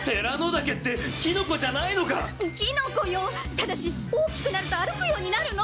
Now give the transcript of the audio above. ただしおおきくなるとあるくようになるの。